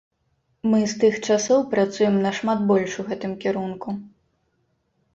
Мы з тых часоў працуем нашмат больш у гэтым кірунку.